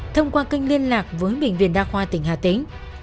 thông qua kênh liên lạc với bệnh viện đa khoa tỉnh hà tĩnh